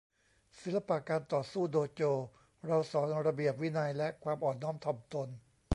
ศิลปะการต่อสู้โดโจ เราสอนระเบียบวินัยและความอ่อนน้อมถ่อมตน